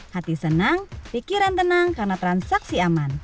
hati senang pikiran tenang karena transaksi aman